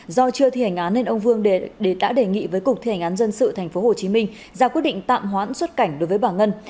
do chưa thi hành án nên ông vương đã đề nghị với cục thi hành án dân sự tp hcm ra quyết định tạm hoãn xuất cảnh đối với bà ngân